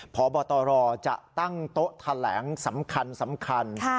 พบตรจะตั้งโต๊ะแถลงสำคัญ